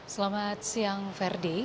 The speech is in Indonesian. selamat siang ferdi